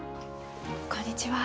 こんにちは。